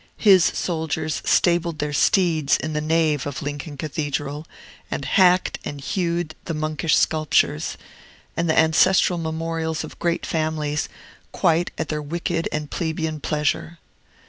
His soldiers stabled their steeds in the nave of Lincoln Cathedral, and hacked and hewed the monkish sculptures, and the ancestral memorials of great families, quite at their wicked and plebeian pleasure.